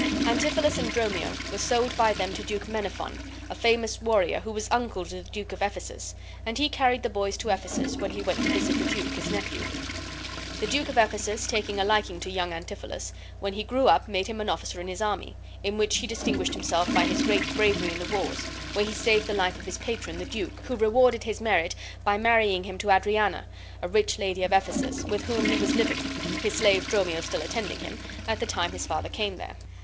Antipholus and Dromio were sold by them to Duke Menaphon, a famous warrior, who was uncle to the Duke of Ephesus, and he carried the boys to Ephesus when he went to visit the duke, his nephew. The Duke of Ephesus, taking a liking to young Antipholus, when he grew up made him an officer in his army, in which he distinguished himself by his great bravery in the wars, where he saved the life of his patron, the duke, who rewarded his merit by marrying him to Adriana, a rich lady of Ephesus, with whom he was living (his slave Dromio still attending him) at the time his father came there.